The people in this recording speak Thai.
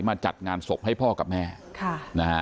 จัดงานศพให้พ่อกับแม่ค่ะนะฮะ